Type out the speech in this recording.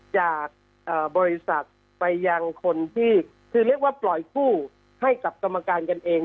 จากบริษัทไปยังคนที่คือเรียกว่าปล่อยกู้ให้กับกรรมการกันเอง